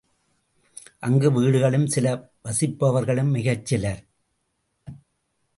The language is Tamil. அங்கு வீடுகளும் சில வசிப்பவர்களும் மிகச்சிலர்.